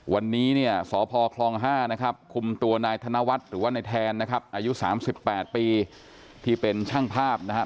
วันนี้เนี่ยสพคล๕นะครับคุมตัวนายธนวัฒน์หรือว่าในแทนนะครับอายุ๓๘ปีที่เป็นช่างภาพนะครับ